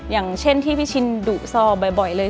อย่างเช่นที่พี่ชินดุซอบ่อยเลย